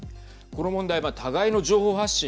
この問題、互いの情報発信